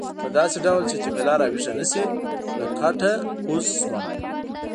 په داسې ډول چې جميله راویښه نه شي له کټ نه کوز شوم.